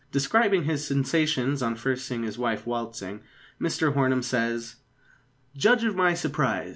Describing his sensations on first seeing his wife waltzing, Mr Hornem says: Judge of my surprise